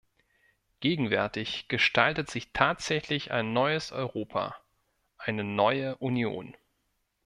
Gegenwärtig gestaltet sich tatsächlich ein neues Europa, eine neue Union.